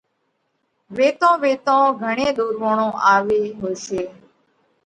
۔ ويتون ويتون گھڻي ۮورووڻون آوي هوشي